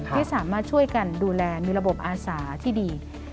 ที่สามารถช่วยกันดูแลมีระบบอาสาที่ดี